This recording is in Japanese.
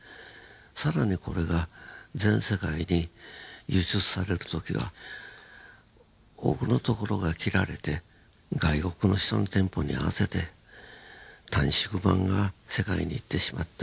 更にこれが全世界に輸出される時は多くの所が切られて外国の人のテンポに合わせて短縮版が世界に行ってしまってる。